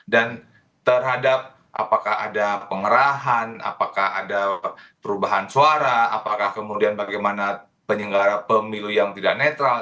dan terhadap apakah ada pengerahan apakah ada perubahan suara apakah kemudian bagaimana penyelenggara pemilu yang tidak netral